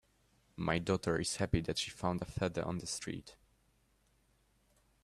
My daughter is happy that she found a feather on the street.